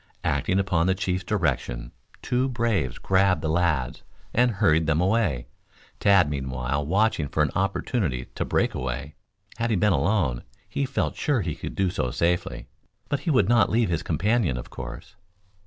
Acting upon the chief's direction two braves grabbed the lads, and hurried them away, Tad meanwhile watching for an opportunity to break away. Had he been alone, he felt sure he could do so safely. But he would not leave his companion, of course.